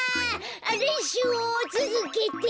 れんしゅうをつづけて！